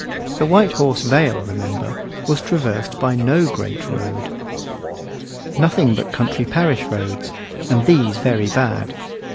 The White Horse Vale, remember, was traversed by no great road nothing but country parish roads, and these very bad.